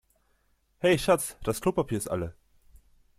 Hey Schatz, das Klopapier ist alle.